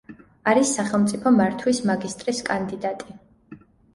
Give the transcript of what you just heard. არის სახელმწიფო მართვის მაგისტრის კანდიდატი.